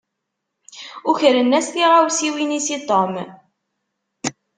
Ukren-as tiɣawsiwin-is i Tom.